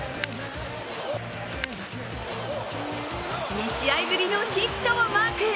２試合ぶりのヒットをマーク。